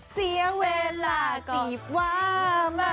เสียเวลาจีบว่ามา